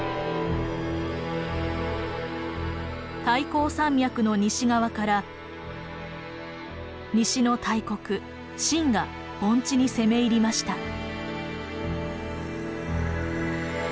太行山脈の西側から西の大国秦が盆地に攻め入りました。